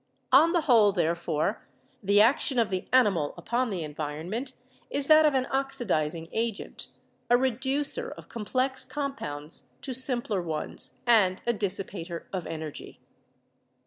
On the whole, therefore, the action of the animal upon the environment is that of an oxidizing agent, a reducer of complex compounds to simpler ones, and a dissipator of energy.